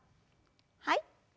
はい。